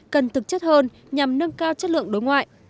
cần thực chất hơn nhằm nâng cao chất lượng đối ngoại